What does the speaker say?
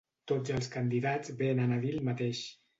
Tots els candidats venen a dir el mateix.